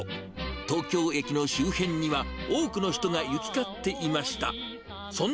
東京駅の周辺には、多くの人が行き交っていました。